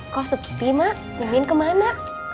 kok sepi mak mimin kemana